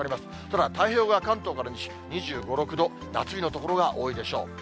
ただ、太平洋側、関東から西、２５、６度、夏日の所が多いでしょう。